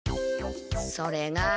それが。